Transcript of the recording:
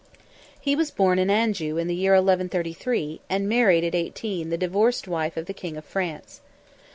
He was born in Anjou in the year 1133, and married at eighteen the divorced wife of the King of France.